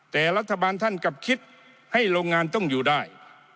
แต่รัฐบาลท่านกลับคิดให้โรงงานต้องอยู่ได้